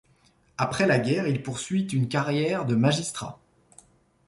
Après la guerre, il poursuit une carrière de magistrat.